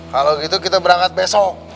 kalau gitu kita berangkat besok